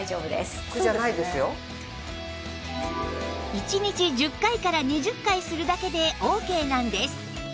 １日１０回から２０回するだけでオーケーなんです